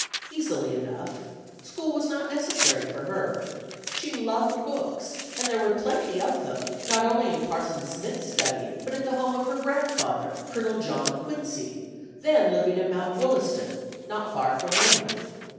Easily enough; school was not necessary for her. She loved books, and there were plenty of them, not only in Parson Smith's study, but in the home of her grandfather, Colonel John Quincy, then living at Mount Wollaston, not far from Weymouth.